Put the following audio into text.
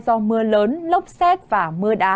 do mưa lớn lốc xét và mưa đá